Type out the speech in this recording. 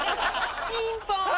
ピンポン。